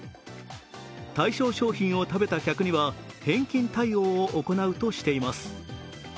対象賞品を食べた客には返金対応を行うとしています。